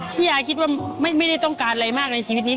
ยายคิดว่าไม่ได้ต้องการอะไรมากในชีวิตนี้